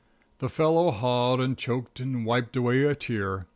_"] The fellow hawed and choked and wiped away a tear.